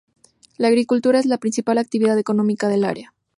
La agricultura es la principal actividad económica del área.